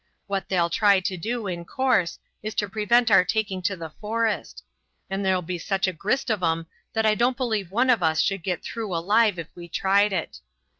What they'll try to do, in course, is to prevent our taking to the forest; and there'll be such a grist of 'em that I don't believe one of us would get through alive if we tried it.